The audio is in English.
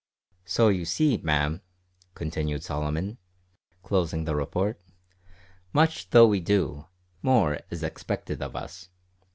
"So you see, ma'am," continued Solomon, closing the Report, "much though we do, more is expected of us.